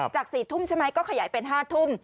๔ทุ่มใช่ไหมก็ขยายเป็น๕ทุ่ม